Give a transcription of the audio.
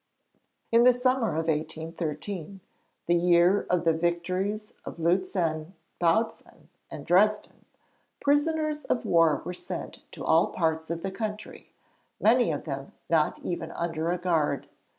In the summer of 1813 the year of the victories of Lutzen, Bautzen, and Dresden prisoners of war were sent to all parts of the country, many of them not even under a guard.